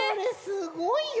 すごいよ。